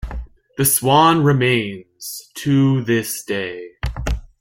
The Swan remains to this day.